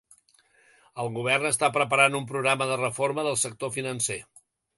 El govern està preparant un programa de reforma del sector financer.